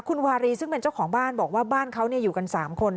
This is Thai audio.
คุณวารีซึ่งเป็นเจ้าของบ้านบอกว่าบ้านเขาอยู่กัน๓คน